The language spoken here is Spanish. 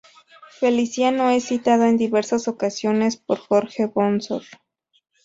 Feliciano es citado en diversas ocasiones por Jorge Bonsor.